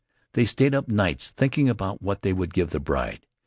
They stayed up nights thinking what they would give the bride.